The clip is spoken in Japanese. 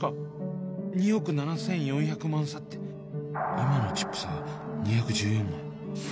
今のチップ差は２１４枚。